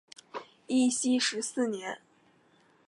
义熙十四年。